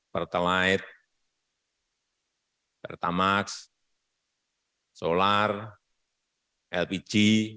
pertelait pertamax solar lpg